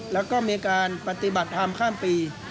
แล้วก็มีการปฏิบัติธรรมข้ามปี